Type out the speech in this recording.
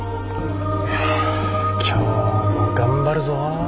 今日も頑張るぞ。